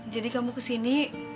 jadi kamu kesini